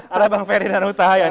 ada bang ferry dan utahayan